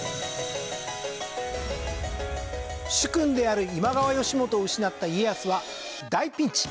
主君である今川義元を失った家康は大ピンチ。